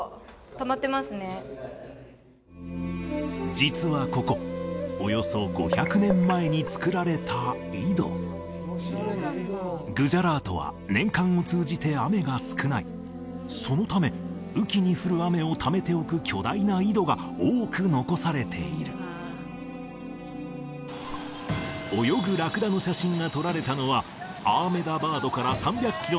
実はここおよそ５００年前に造られた井戸グジャラートは年間を通じて雨が少ないそのため雨期に降る雨をためておく巨大な井戸が多く残されている泳ぐラクダの写真が撮られたのはアーメダバードから３００キロ